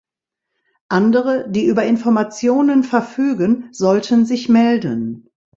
Andere, die über Informationen verfügen, sollten sich melden.